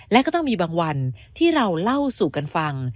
และก็ต้องมีบางวันที่เราเล่าสู่กันฟัง